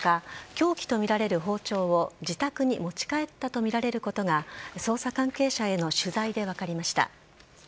凶器とみられる包丁を自宅に持ち帰ったとみられることが捜査関係者への取材で分かりました。